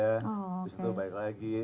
lalu setelah itu balik lagi